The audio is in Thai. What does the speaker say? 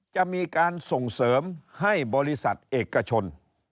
จะมีการส่งเสริมให้บริษัทเอกชน